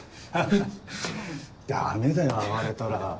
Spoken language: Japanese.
ダメだよ暴れたら。